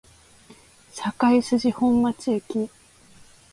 堺筋本町駅